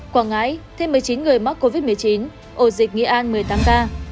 quảng ngãi thêm một mươi chín người mắc covid một mươi chín ổ dịch nghệ an một mươi tám ca